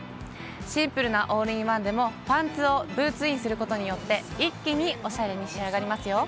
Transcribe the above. シンプルなオールインワンでも、パンツをブーツインすることによって、一気におしゃれに仕上がりますよ。